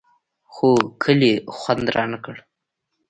خو کلي خوند رانه کړ.